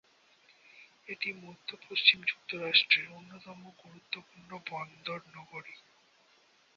এটি মধ্য-পশ্চিম যুক্তরাষ্ট্রের অন্যতম গুরুত্বপূর্ণ বন্দরনগরী।